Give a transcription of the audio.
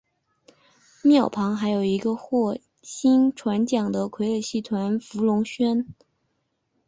庙旁还有一个获薪传奖的傀儡戏团福龙轩。